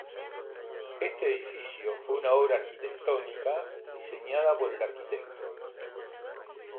Este edificio fue una obra arquitectónica diseñada por el Arq.